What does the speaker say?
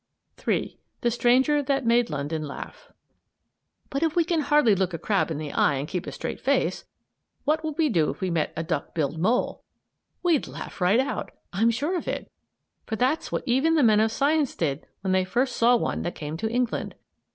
III. THE STRANGER THAT MADE LONDON LAUGH But if we can hardly look a crab in the eye and keep a straight face, what would we do if we met a duck billed mole? We'd laugh right out! I'm sure of it, for that's what even the men of science did when they saw the first one that came to England.